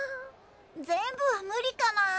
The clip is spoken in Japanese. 全部は無理かなぁ。